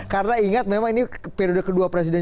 karena ingat memang ini periode kedua presiden